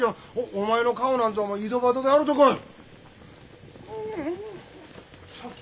お前の顔なんぞ井戸端で洗てこい。